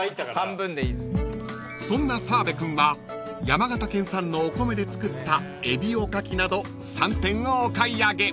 ［そんな澤部君は山形県産のお米で作ったえびおかきなど３点をお買い上げ］